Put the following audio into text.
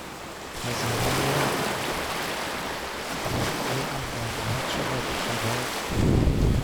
هزینه مبر این نامه ها چقدر می شود؟